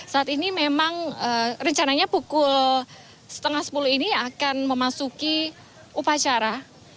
saat ini memang rencananya pukul setengah sepuluh ini akan memasuki upacara